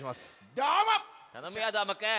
たのむよどーもくん！